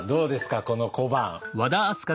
この小判。